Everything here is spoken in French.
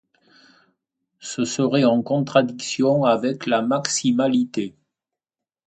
Ce serait en contradiction avec la maximalité.